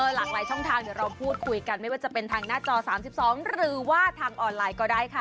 หลากหลายช่องทางเดี๋ยวเราพูดคุยกันไม่ว่าจะเป็นทางหน้าจอ๓๒หรือว่าทางออนไลน์ก็ได้ค่ะ